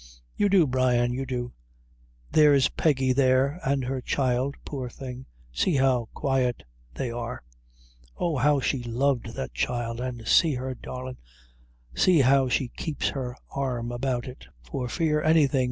"You do, Brian you do. There s Peggy there, and her child, poor thing; see how quiet they are! Oh, how she loved that child! an' see her darlin' see how she keeps her arm about it, for fear anything!